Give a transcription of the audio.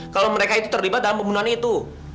kalau mereka itu terlibat dalam pembunuhan itu